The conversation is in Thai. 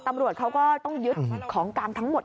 ตำรวจเขาก็ต้องยึดของกลางทั้งหมด